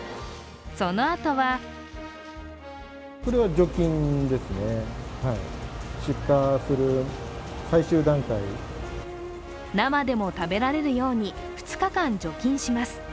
そのあとは生でも食べられるように２日間除菌します。